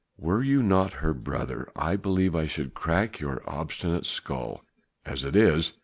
"Were you not her brother, I believe I should crack your obstinate skull; as it is